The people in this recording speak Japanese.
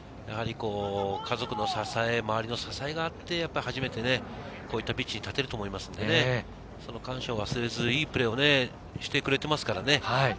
家族の支え、周りの支えがあって初めてこういうピッチに立てると思いますのでね、感謝を忘れず、いいプレーをしてくれていますからね。